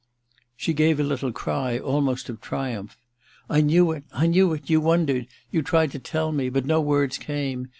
She gave a little cry, almost of triumph. * I knew it! I knew it! You wondered — you tried to tell me — but no words came.